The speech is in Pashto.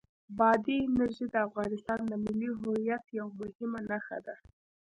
بادي انرژي د افغانستان د ملي هویت یوه مهمه نښه ده.